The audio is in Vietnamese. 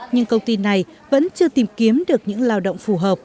nhưng công ty này vẫn chưa tìm kiếm được những lao động